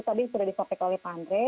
tadi sudah disopik oleh pak andre